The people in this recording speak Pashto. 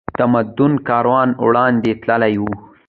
تمدن کاروان وړاندې تللی و